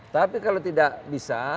tapi kalau tidak bisa